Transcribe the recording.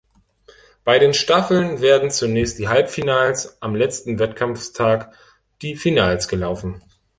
Bei den Staffeln werden zunächst die Halbfinals, am letzten Wettkampftag die Finals gelaufen.